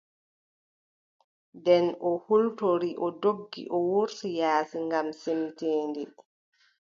Nden o hultori o doggi o wurti yaasi ngam semteende.